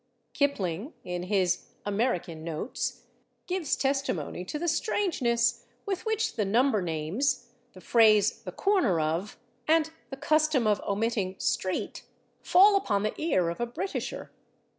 " Kipling, in his "American Notes," gives testimony to the strangeness with which the [Pg299] number names, the phrase "the corner of," and the custom of omitting /street/ fall upon the ear of a Britisher.